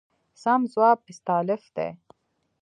سم ځواب استالف دی.